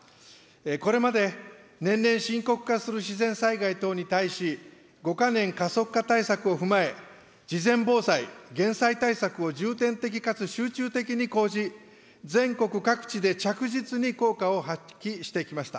これまで、年々深刻化する自然災害等に対し５か年加速化対策を踏まえ、事前防災、減災対策を重点的かつ集中的に講じ、全国各地で着実に効果を発揮してきました。